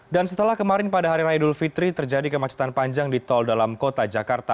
dan setelah kemarin pada hari raya dulfitri terjadi kemacetan panjang di tol dalam kota jakarta